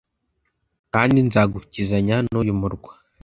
Kandi nzagukizanya n uyu murwa